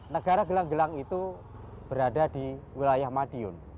negara gelang gelang itu berada di wilayah madiun